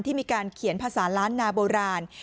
มีการเขียนภาษาล้านนาโบราณ